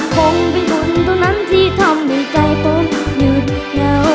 คงเป็นคนเท่านั้นที่ทำให้ใจผมหยุดแล้ว